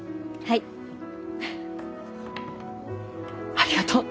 ありがとう！